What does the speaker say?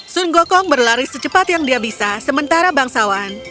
sun gokong berlari secepat yang dia bisa sementara bangsawan